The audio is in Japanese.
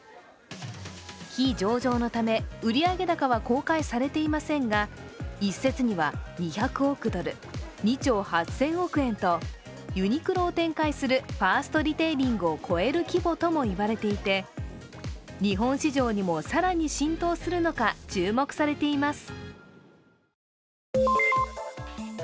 非上場のため売上高は公開されていませんが、一説には２０００億ドル２兆８０００億円とユニクロを展開するファーストリテイリングを超える規模とも言われていて、日本市場にも更に浸透するのか、注目されています。